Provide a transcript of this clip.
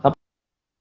nanti belum gitu